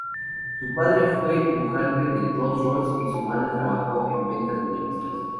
Su padre fue dibujante de Rolls Royce y su madre trabajó en ventas minoristas.